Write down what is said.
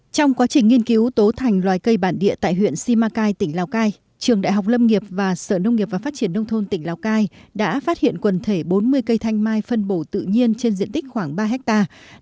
trong quá trình nghiên cứu tố thành loài cây bản địa tại huyện simacai tỉnh lào cai trường đại học lâm nghiệp và sở nông nghiệp và phát triển nông thôn tỉnh lào cai đã phát hiện quần thể bốn mươi cây thanh mai phân bổ tự nhiên trên diện tích khoảng ba hectare